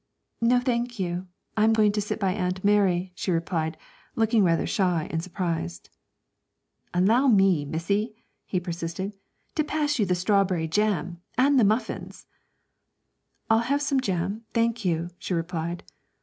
'No, thank you; I'm going to sit by Aunt Mary,' she replied, looking rather shy and surprised. 'Allow me, missy,' he persisted, 'to pass you the strawberry jam and the muffins!' 'I'll have some jam, thank you,' she replied.